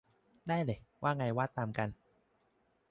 ได้เลย ว่าไงว่าตามกัน